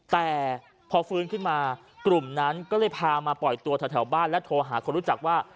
แต่พอฟื้นขึ้นมากลุ่มนั้นก็เลยพามาปล่อยตัวแถวบ้านและโทรหาคนรู้จักว่า